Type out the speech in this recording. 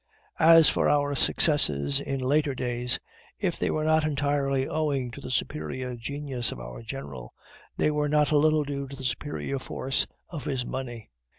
As for our successes in later days, if they were not entirely owing to the superior genius of our general, they were not a little due to the superior force of his money.